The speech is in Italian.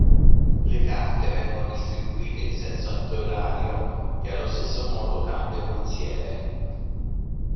Le carte vengono distribuite in senso antiorario e allo stesso modo cambia il mazziere.